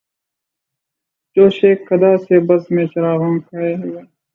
جوشِ قدح سے بزمِ چراغاں کئے ہوئے